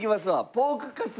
ポークカツレツ。